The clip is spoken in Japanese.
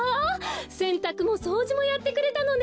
せんたくもそうじもやってくれたのね。